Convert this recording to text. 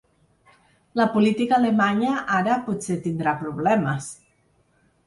La política alemanya ara potser tindrà problemes.